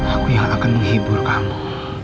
aku yang akan menghibur kamu